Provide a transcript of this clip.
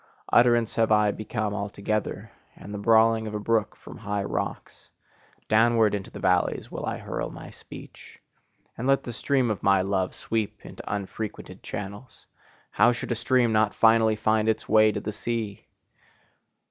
Utterance have I become altogether, and the brawling of a brook from high rocks: downward into the valleys will I hurl my speech. And let the stream of my love sweep into unfrequented channels! How should a stream not finally find its way to the sea!